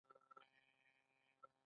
ایا دی به خپل حکم پر ځان شامل وګڼي؟